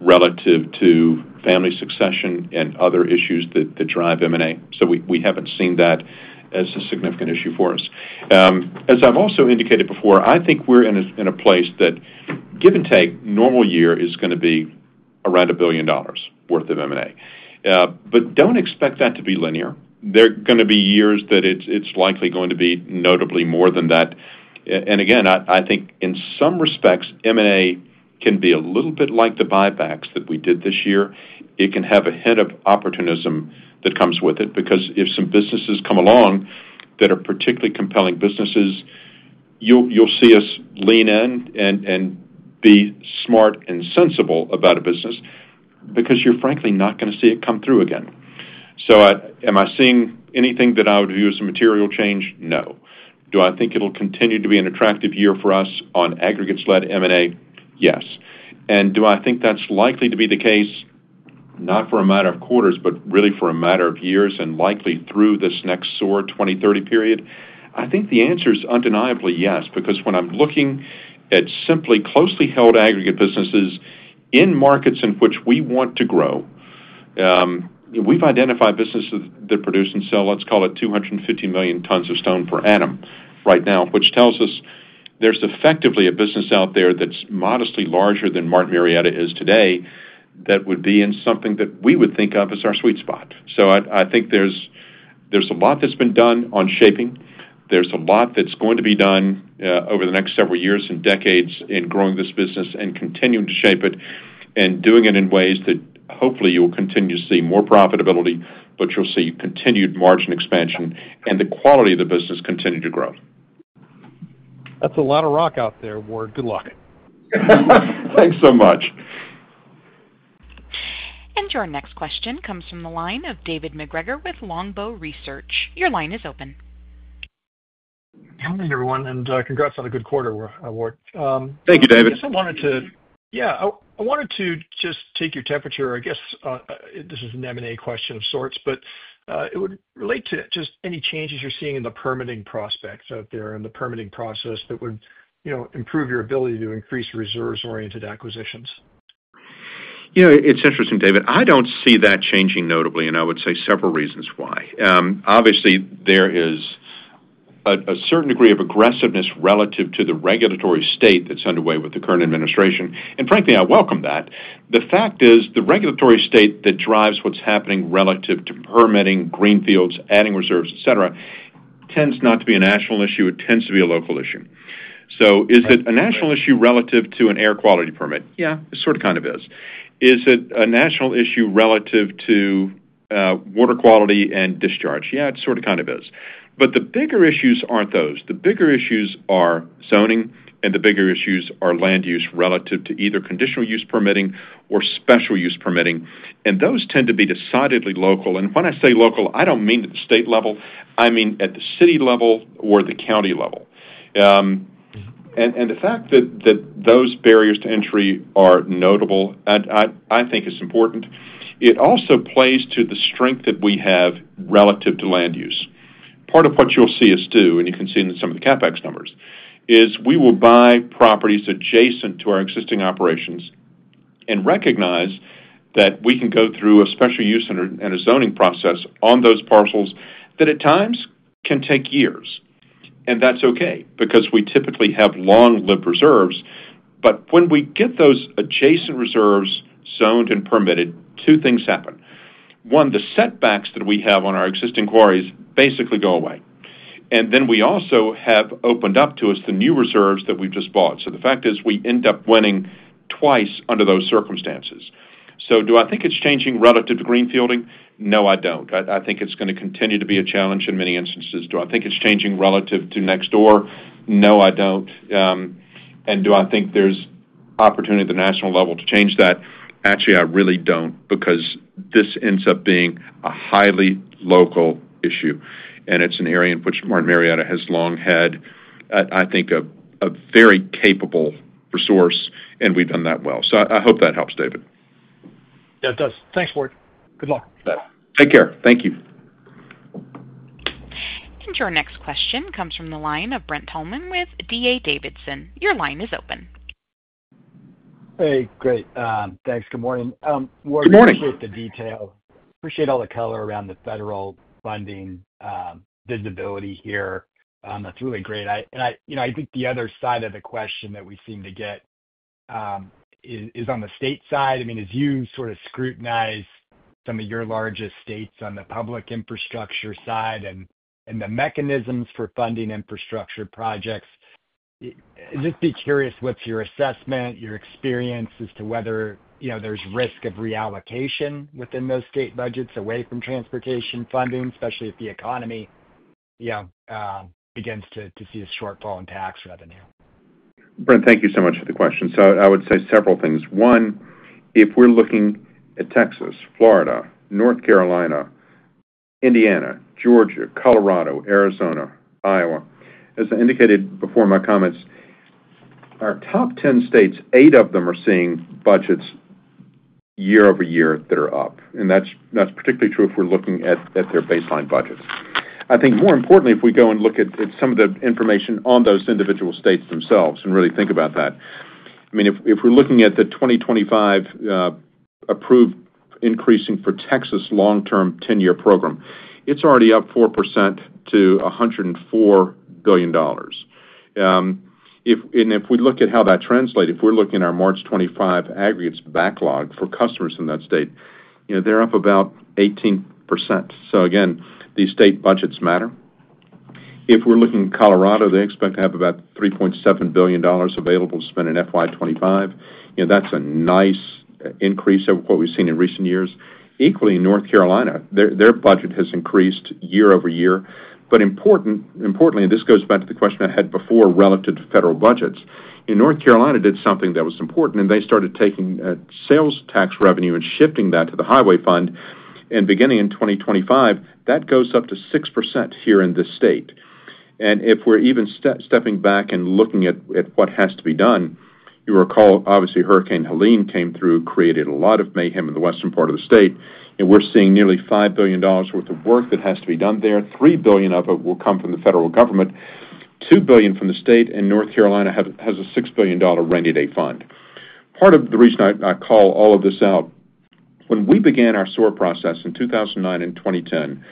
relative to family succession and other issues that drive M&A. We haven't seen that as a significant issue for us. As I've also indicated before, I think we're in a place that, give and take, a normal year is going to be around $1 billion worth of M&A. Don't expect that to be linear. There are going to be years that it's likely going to be notably more than that. I think in some respects, M&A can be a little bit like the buybacks that we did this year. It can have a head of opportunism that comes with it because if some businesses come along that are particularly compelling businesses, you'll see us lean in and be smart and sensible about a business because you're frankly not going to see it come through again. Am I seeing anything that I would view as a material change? No. Do I think it'll continue to be an attractive year for us on aggregates-led M&A? Yes. Do I think that's likely to be the case, not for a matter of quarters, but really for a matter of years and likely through this next SOAR 2030 period? I think the answer is undeniably yes because when I'm looking at simply closely held aggregate businesses in markets in which we want to grow, we've identified businesses that produce and sell, let's call it, 250 million tons of stone per annum right now, which tells us there's effectively a business out there that's modestly larger than Martin Marietta is today that would be in something that we would think of as our sweet spot. I think there's a lot that's been done on shaping. There's a lot that's going to be done over the next several years and decades in growing this business and continuing to shape it and doing it in ways that hopefully you'll continue to see more profitability, but you'll see continued margin expansion and the quality of the business continue to grow. That's a lot of rock out there, Ward. Good luck. Thanks so much. Your next question comes from the line of David MacGregor with Longbow Research. Your line is open. Hi, everyone. Congrats on a good quarter, Ward. Thank you, David. I wanted to, yeah, I wanted to just take your temperature. I guess this is an M&A question of sorts, but it would relate to just any changes you're seeing in the permitting prospects out there and the permitting process that would improve your ability to increase reserves-oriented acquisitions. Yeah. It's interesting, David. I don't see that changing notably, and I would say several reasons why. Obviously, there is a certain degree of aggressiveness relative to the regulatory state that's underway with the current administration. Frankly, I welcome that. The fact is the regulatory state that drives what's happening relative to permitting, greenfields, adding reserves, etc., tends not to be a national issue. It tends to be a local issue. Is it a national issue relative to an air quality permit? Yeah, it sort of kind of is. Is it a national issue relative to water quality and discharge? Yeah, it sort of kind of is. The bigger issues aren't those. The bigger issues are zoning, and the bigger issues are land use relative to either conditional use permitting or special use permitting. Those tend to be decidedly local. When I say local, I do not mean at the state level. I mean at the city level or the county level. The fact that those barriers to entry are notable, I think, is important. It also plays to the strength that we have relative to land use. Part of what you will see us do, and you can see in some of the CapEx numbers, is we will buy properties adjacent to our existing operations and recognize that we can go through a special use and a zoning process on those parcels that at times can take years. That is okay because we typically have long-lived reserves. When we get those adjacent reserves zoned and permitted, two things happen. One, the setbacks that we have on our existing quarries basically go away. We also have opened up to us the new reserves that we have just bought. The fact is we end up winning twice under those circumstances. Do I think it's changing relative to greenfielding? No, I don't. I think it's going to continue to be a challenge in many instances. Do I think it's changing relative to next door? No, I don't. Do I think there's opportunity at the national level to change that? Actually, I really don't because this ends up being a highly local issue. It's an area in which Martin Marietta has long had, I think, a very capable resource, and we've done that well. I hope that helps, David. Yeah, it does. Thanks, Ward. Good luck. Take care. Thank you. Your next question comes from the line of Brent Thielman with D.A. Davidson. Your line is open. Hey, great. Thanks. Good morning. Good morning. I appreciate the detail. Appreciate all the color around the federal funding visibility here. That's really great. I think the other side of the question that we seem to get is on the state side. I mean, as you sort of scrutinize some of your largest states on the public infrastructure side and the mechanisms for funding infrastructure projects, I'd just be curious what's your assessment, your experience as to whether there's risk of reallocation within those state budgets away from transportation funding, especially if the economy begins to see a shortfall in tax revenue. Brent, thank you so much for the question. I would say several things. One, if we're looking at Texas, Florida, North Carolina, Indiana, Georgia, Colorado, Arizona, Iowa, as I indicated before my comments, our top 10 states, eight of them are seeing budgets year-over-year that are up. That's particularly true if we're looking at their baseline budgets. I think more importantly, if we go and look at some of the information on those individual states themselves and really think about that. I mean, if we're looking at the 2025 approved increasing for Texas long-term 10-year program, it's already up 4% to $104 billion. If we look at how that translated, if we're looking at our March 25 aggregates backlog for customers in that state, they're up about 18%. These state budgets matter. If we're looking at Colorado, they expect to have about $3.7 billion available to spend in FY 2025. That's a nice increase of what we've seen in recent years. Equally, in North Carolina, their budget has increased year-over-year. Importantly, and this goes back to the question I had before relative to federal budgets, North Carolina did something that was important, and they started taking sales tax revenue and shifting that to the Highway Fund. Beginning in 2025, that goes up to 6% here in this state. If we're even stepping back and looking at what has to be done, you recall, obviously, Hurricane Helene came through, created a lot of mayhem in the western part of the state. We're seeing nearly $5 billion worth of work that has to be done there. $3 billion of it will come from the federal government, $2 billion from the state, and North Carolina has a $6 billion rainy day fund. Part of the reason I call all of this out, when we began our SOAR process in 2009 and 2010,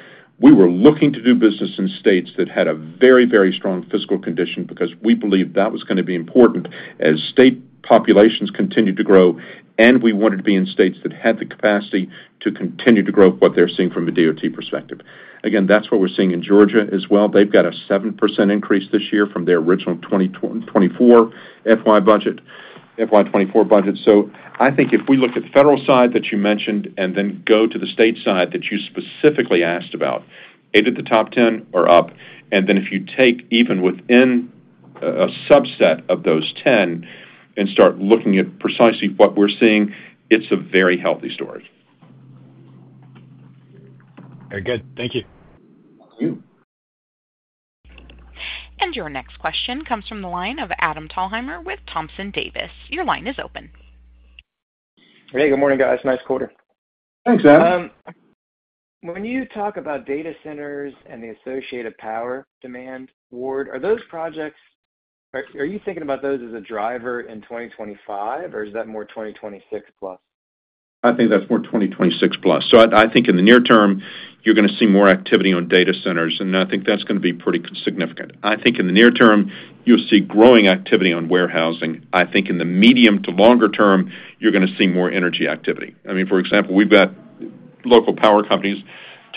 we were looking to do business in states that had a very, very strong fiscal condition because we believed that was going to be important as state populations continued to grow, and we wanted to be in states that had the capacity to continue to grow what they're seeing from a DOT perspective. Again, that's what we're seeing in Georgia as well. They've got a 7% increase this year from their original FY 2024 budget. I think if we look at the federal side that you mentioned and then go to the state side that you specifically asked about, eight of the top 10 are up. And then if you take even within a subset of those 10 and start looking at precisely what we're seeing, it's a very healthy story. Very good. Thank you. Thank you. Your next question comes from the line of Adam Thalhimer with Thompson Davis. Your line is open. Hey, good morning, guys. Nice quarter. Thanks, Adam. When you talk about data centers and the associated power demand, Ward, are those projects, are you thinking about those as a driver in 2025, or is that more 2026 plus? I think that's more 2026 plus. I think in the near term, you're going to see more activity on data centers, and I think that's going to be pretty significant. I think in the near term, you'll see growing activity on warehousing. I think in the medium to longer term, you're going to see more energy activity. I mean, for example, we've got local power companies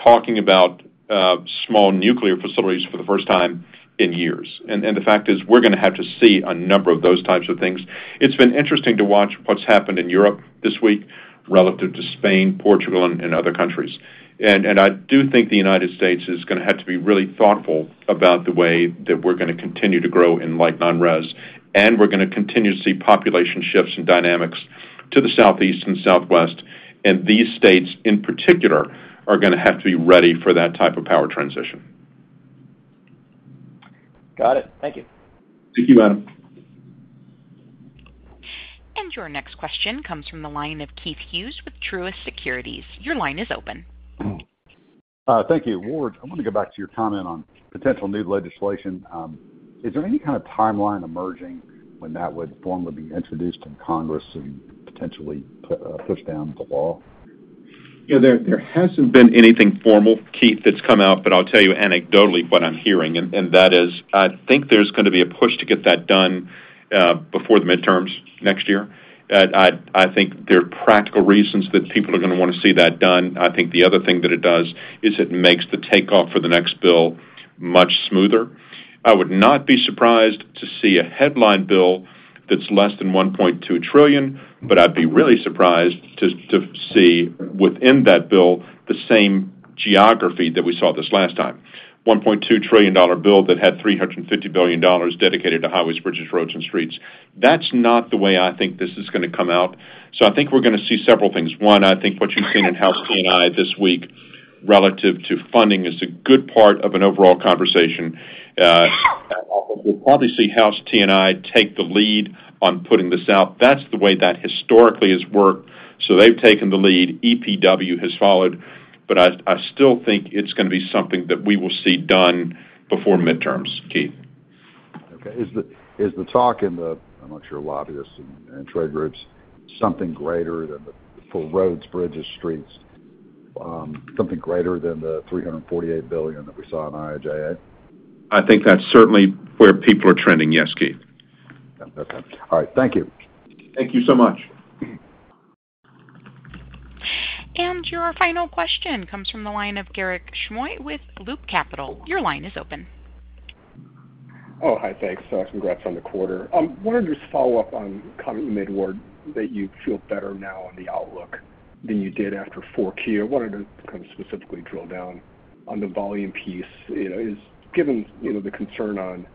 talking about small nuclear facilities for the first time in years. The fact is we're going to have to see a number of those types of things. It's been interesting to watch what's happened in Europe this week relative to Spain, Portugal, and other countries. I do think the United States is going to have to be really thoughtful about the way that we're going to continue to grow in light non-res. We are going to continue to see population shifts and dynamics to the Southeast and Southwest. These states, in particular, are going to have to be ready for that type of power transition. Got it. Thank you. Thank you, Adam. Your next question comes from the line of Keith Hughes with Truist Securities. Your line is open. Thank you. Ward, I want to go back to your comment on potential new legislation. Is there any kind of timeline emerging when that would formally be introduced in Congress and potentially push down the law? Yeah, there hasn't been anything formal, Keith, that's come out, but I'll tell you anecdotally what I'm hearing. That is I think there's going to be a push to get that done before the midterms next year. I think there are practical reasons that people are going to want to see that done. I think the other thing that it does is it makes the takeoff for the next bill much smoother. I would not be surprised to see a headline bill that's less than $1.2 trillion, but I'd be really surprised to see within that bill the same geography that we saw this last time. $1.2 trillion bill that had $350 billion dedicated to highways, bridges, roads, and streets. That's not the way I think this is going to come out. I think we're going to see several things. One, I think what you've seen in House T&I this week relative to funding is a good part of an overall conversation. We'll probably see House T&I take the lead on putting this out. That's the way that historically has worked. They have taken the lead. EPW has followed. I still think it's going to be something that we will see done before midterms, Keith. Okay. Is the talk in the, I'm not sure, lobbyists and trade groups something greater than the full roads, bridges, streets? Something greater than the $348 billion that we saw in IIJA? I think that's certainly where people are trending. Yes, Keith. Okay. All right. Thank you. Thank you so much. Your final question comes from the line of Garik Shmois with Loop Capital. Your line is open. Oh, hi, thanks. Congrats on the quarter. I wanted to just follow up on a comment you made, Ward, that you feel better now on the outlook than you did after 4Q. I wanted to kind of specifically drill down on the volume piece. Given the concern on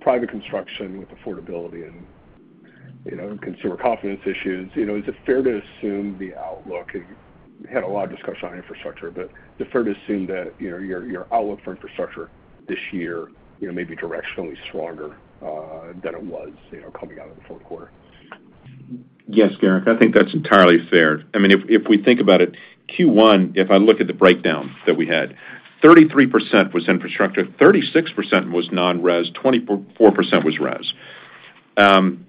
private construction with affordability and consumer confidence issues, is it fair to assume the outlook—we had a lot of discussion on infrastructure—is it fair to assume that your outlook for infrastructure this year may be directionally stronger than it was coming out of the fourth quarter? Yes, Garik. I think that's entirely fair. I mean, if we think about it, Q1, if I look at the breakdown that we had, 33% was infrastructure, 36% was non-res, 24% was res.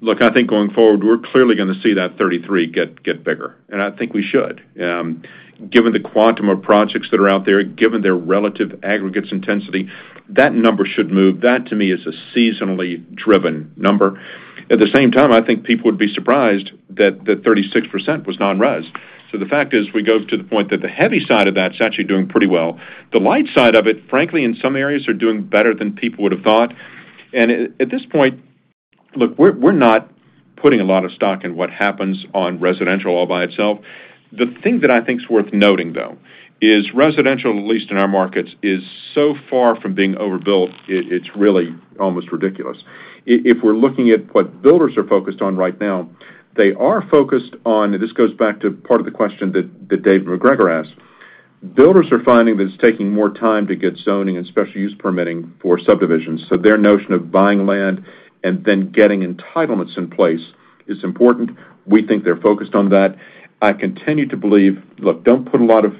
Look, I think going forward, we're clearly going to see that 33 get bigger. I think we should. Given the quantum of projects that are out there, given their relative aggregates intensity, that number should move. That, to me, is a seasonally driven number. At the same time, I think people would be surprised that the 36% was non-res. The fact is we go to the point that the heavy side of that's actually doing pretty well. The light side of it, frankly, in some areas, are doing better than people would have thought. At this point, look, we're not putting a lot of stock in what happens on residential all by itself. The thing that I think is worth noting, though, is residential, at least in our markets, is so far from being overbuilt, it's really almost ridiculous. If we're looking at what builders are focused on right now, they are focused on—and this goes back to part of the question that David MacGregor asked—builders are finding that it's taking more time to get zoning and special use permitting for subdivisions. Their notion of buying land and then getting entitlements in place is important. We think they're focused on that. I continue to believe, look, don't put a lot of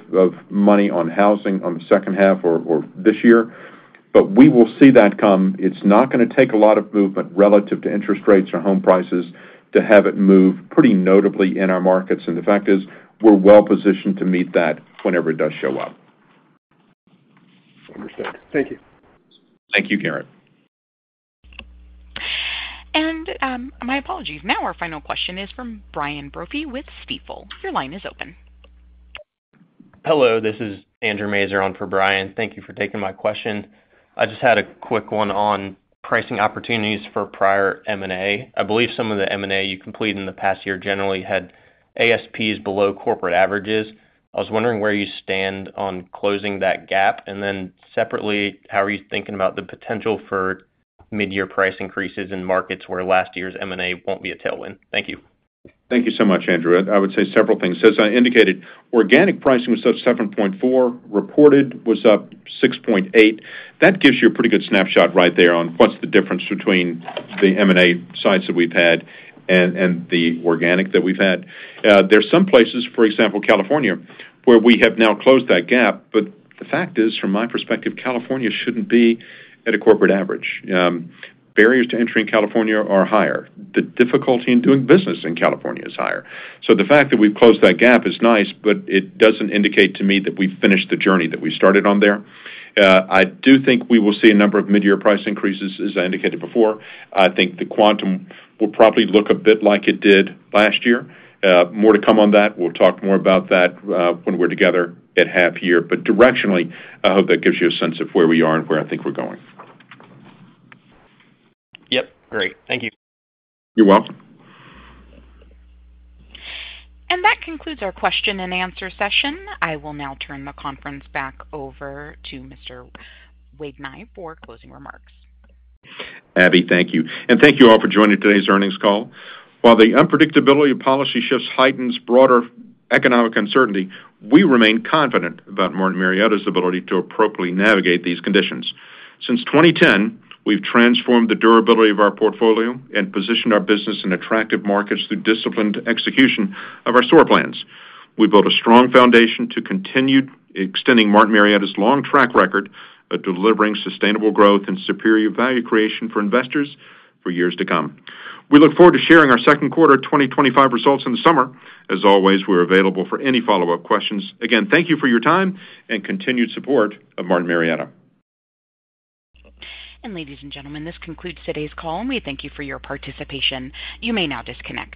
money on housing on the second half or this year, but we will see that come. It's not going to take a lot of movement relative to interest rates or home prices to have it move pretty notably in our markets. The fact is we're well positioned to meet that whenever it does show up. Understood. Thank you. Thank you, Garik. My apologies. Now our final question is from Brian Brophy with Stifel. Your line is open. Hello. This is Andrew Mazur on for Brian. Thank you for taking my question. I just had a quick one on pricing opportunities for prior M&A. I believe some of the M&A you completed in the past year generally had ASPs below corporate averages. I was wondering where you stand on closing that gap. Then separately, how are you thinking about the potential for mid-year price increases in markets where last year's M&A won't be a tailwind? Thank you. Thank you so much, Andrew. I would say several things. As I indicated, organic pricing was up 7.4%, reported was up 6.8%. That gives you a pretty good snapshot right there on what's the difference between the M&A sites that we've had and the organic that we've had. There are some places, for example, California, where we have now closed that gap. The fact is, from my perspective, California shouldn't be at a corporate average. Barriers to entering California are higher. The difficulty in doing business in California is higher. The fact that we've closed that gap is nice, but it doesn't indicate to me that we've finished the journey that we started on there. I do think we will see a number of mid-year price increases, as I indicated before. I think the quantum will probably look a bit like it did last year. More to come on that. We'll talk more about that when we're together at half year. Directionally, I hope that gives you a sense of where we are and where I think we're going. Yep. Great. Thank you. You're welcome. That concludes our question and answer session. I will now turn the conference back over to Mr. Ward Nye for closing remarks. Abby, thank you. Thank you all for joining today's earnings call. While the unpredictability of policy shifts heightens broader economic uncertainty, we remain confident about Martin Marietta's ability to appropriately navigate these conditions. Since 2010, we've transformed the durability of our portfolio and positioned our business in attractive markets through disciplined execution of our SOAR plans. We built a strong foundation to continue extending Martin Marietta's long track record of delivering sustainable growth and superior value creation for investors for years to come. We look forward to sharing our second quarter 2025 results in the summer. As always, we're available for any follow-up questions. Again, thank you for your time and continued support of Martin Marietta. Ladies and gentlemen, this concludes today's call, and we thank you for your participation. You may now disconnect.